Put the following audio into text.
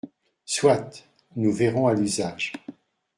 Soit ! Nous verrons à l’usage.